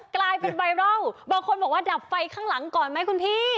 กลายเป็นไวรัลบางคนบอกว่าดับไฟข้างหลังก่อนไหมคุณพี่